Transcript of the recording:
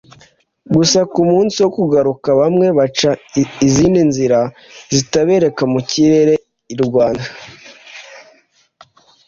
gusa ku munsi wo kugaruka bamwe baca izindi nzira zitaberekeza mu kirere i Rwanda